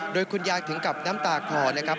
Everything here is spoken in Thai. โดยคุณยายถึงกับน้ำตาคลอนะครับ